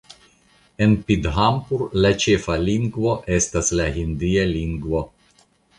En Pithampur la ĉefa lingvo estas la hindia lingvo.